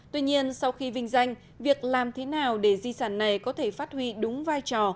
tuy nhiên sau khi vinh danh việc làm thế nào để di sản này có thể phát huy đúng vai trò